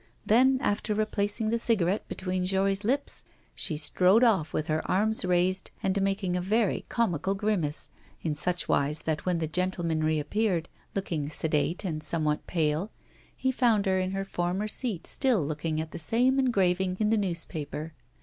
Then, after replacing the cigarette between Jory's lips, she strode off with her arms raised, and making a very comical grimace; in such wise that when the gentleman reappeared, looking sedate and somewhat pale, he found her in her former seat, still looking at the same engraving in the newspaper.